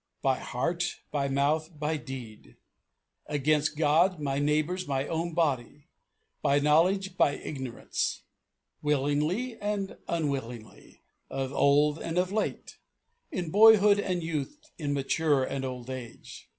By heart, by mouth, by deed. Against God, my neighbours, my own body. By knowledge, by ignorance. Willingly and unwillingly. Of old and of late. In boyhood and youth, in mature and old age.